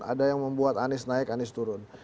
ada yang membuat anies naik anies turun